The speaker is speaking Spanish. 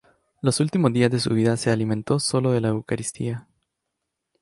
Los últimos días de su vida se alimentó solo de la Eucaristía.